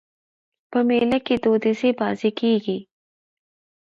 په مېله کښي دودیزي بازۍ کېږي.